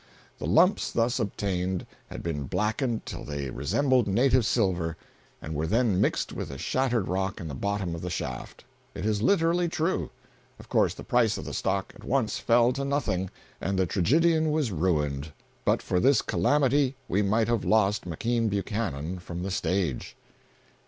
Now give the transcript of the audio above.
The lumps thus obtained had been blackened till they resembled native silver, and were then mixed with the shattered rock in the bottom of the shaft. It is literally true. Of course the price of the stock at once fell to nothing, and the tragedian was ruined. But for this calamity we might have lost McKean Buchanan from the stage.